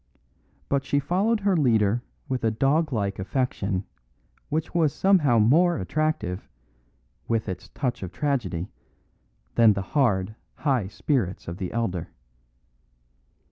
But she followed her leader with a dog like affection which was somehow more attractive, with its touch of tragedy, than the hard, high spirits of the elder.